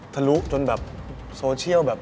ทะลุจนแบบโซเชียลแบบ